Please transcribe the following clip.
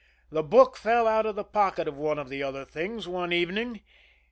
The book fell out of the pocket of one of the other things, one evening.